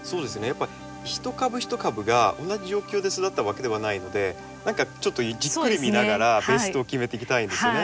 やっぱ一株一株が同じ状況で育ったわけではないので何かちょっとじっくり見ながらベストを決めていきたいですね。